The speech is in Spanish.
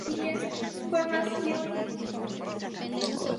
Las opciones de diálogo fueron bastante limitados una vez más.